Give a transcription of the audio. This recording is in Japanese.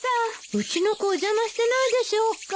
うちの子お邪魔してないでしょうか？